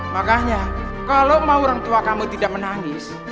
makanya kalau mau orang tua kamu tidak menangis